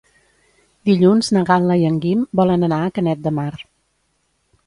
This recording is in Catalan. Dilluns na Gal·la i en Guim volen anar a Canet de Mar.